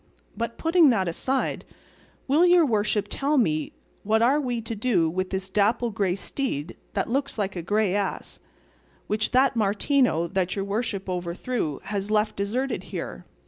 But putting that aside, will your worship tell me what are we to do with this dapple grey steed that looks like a grey ass, which that Martino that your worship overthrew has left deserted here?